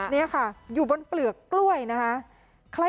นี่ค่ะอยู่บนเปลือกกล้วยนะคะ